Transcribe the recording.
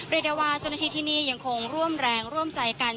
เรียกได้ว่าเจ้าหน้าที่ที่นี่ยังคงร่วมแรงร่วมใจกัน